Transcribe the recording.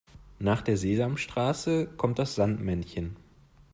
Nach der Sesamstraße kommt das Sandmännchen.